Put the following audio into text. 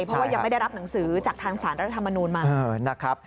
เพราะว่ายังไม่ได้รับหนังสือจากทางสารรัฐธรรมนูลมานะครับ